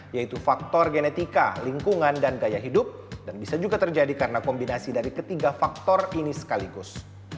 yaitu faktor genetika lingkungan dan gaya hidup dan bisa juga terjadi karena kombinasi dari ketiga faktor ini sekaligus